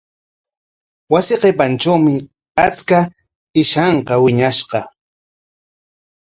Wasi qipantrawmi achka ishanka wiñashqa.